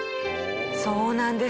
そうなんです。